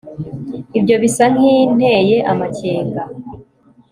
ibyo bisa nkinteye amakenga